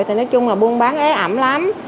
thì nói chung là buôn bán ế ẩm lắm